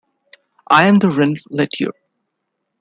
I'm the "Rennleiter"'.